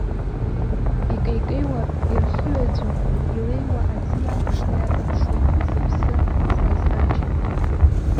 Икеикеиуа ирхыҩаӡәо илеиуа аӡы иалԥшны иаҵаԥшуеит зыԥсы цаз аџь.